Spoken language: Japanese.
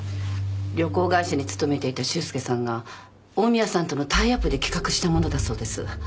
旅行会社に勤めていた修介さんが近江屋さんとのタイアップで企画したものだそうです。